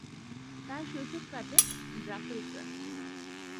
তার শৈশব কাটে ব্রাসেলসে।